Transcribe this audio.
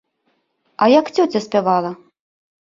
А як цёця спявала?